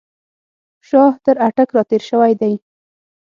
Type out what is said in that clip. شاه تر اټک را تېر شوی دی.